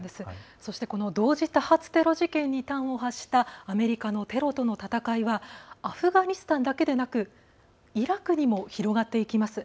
同時多発テロ事件に端を発したアメリカのテロとの戦いはアフガニスタンだけでなくイラクにも広がっていきます。